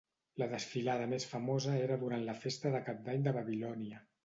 La desfilada més famosa era durant la Festa de Cap d'Any de Babilònia.